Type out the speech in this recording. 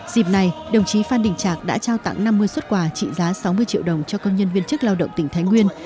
dịp này đồng chí phan đình trạc đã trao tặng năm mươi xuất quà trị giá sáu mươi triệu đồng cho công nhân viên chức lao động tỉnh thái nguyên